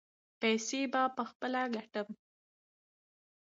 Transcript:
پیسې به پخپله ګټم.